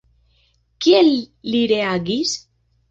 Kiel li reagis?